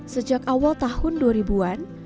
sejak awal tahun dua ribu an